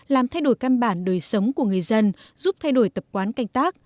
làm thay đổi căn bản đời sống của người dân giúp thay đổi tập quán canh tác